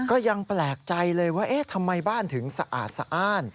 ก็ยังแปลกใจเลยว่าเอ๊ะทำไมบ้านถึงสะอาดสะอ้าน